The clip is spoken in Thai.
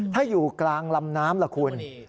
ถ้าอยู่กลางลำน้ำล่ะคุณ